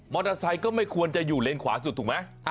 อเตอร์ไซค์ก็ไม่ควรจะอยู่เลนขวาสุดถูกไหม